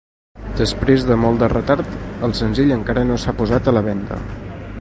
Després de molt de retard, el senzill encara no s'ha posat a la venda.